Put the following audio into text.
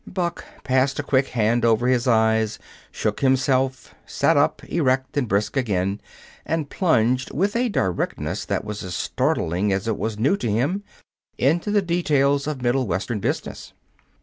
Buck passed a quick hand over his eyes, shook himself, sat up, erect and brisk again, and plunged, with a directness that was as startling as it was new in him, into the details of Middle Western business.